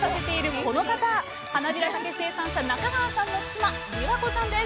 はなびらたけ生産者中川さんの妻理和子さんです！